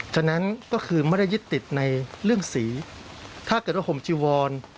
ฉะนั้นก็คือไม่ได้ยึดติดในเรื่องสีถ้าเกิดว่าห่มจีวอน